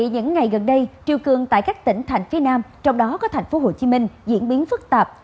những ngày gần đây triều cường tại các tỉnh thành phía nam trong đó có tp hcm diễn biến phức tạp